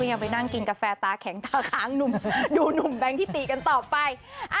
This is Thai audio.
ยังไปนั่งกินกาแฟตาแข็งตาค้างดูหนุ่มแบงค์ที่ตีกันต่อไป